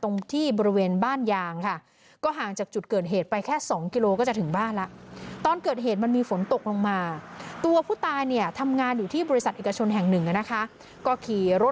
มอเตอร์ไซค์มาอย่างที่บอก